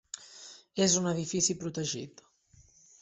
És un edifici protegit.